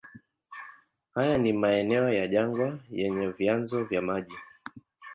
Haya ni maeneo ya jangwa yenye vyanzo vya maji.